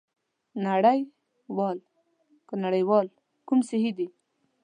نړۍوال که نړیوال کوم یو صحي دی؟